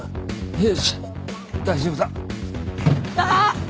よし大丈夫だ。